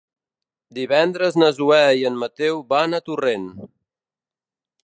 Divendres na Zoè i en Mateu van a Torrent.